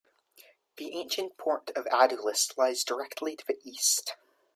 The ancient port of Adulis lies directly to the east.